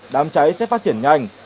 đám cháy sẽ phát triển nhanh